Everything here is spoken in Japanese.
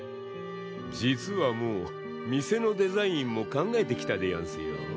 実はもう店のデザインも考えてきたでやんすよ。